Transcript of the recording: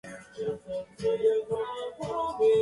こんにちは、あかちゃん